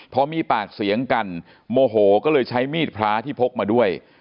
พอมีปากเสียงกันโมโหก็เลยใช้มีดพระที่พกมาด้วย